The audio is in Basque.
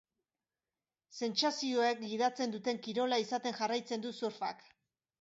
Sentsazioek gidatzen duten kirola izaten jarraitzen du surfak.